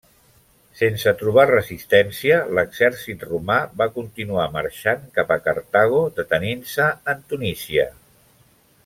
Sense trobar resistència l'exèrcit romà va continuar marxant cap a Cartago detenint-se en Tunísia.